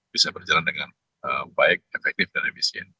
bisa berjalan dengan baik efektif dan efisien